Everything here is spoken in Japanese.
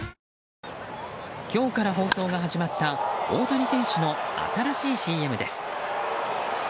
今日から放送が始まった大谷選手の新しいＣＭです。